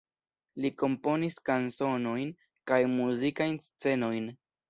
Li komponis kanzonojn kaj muzikajn scenojn.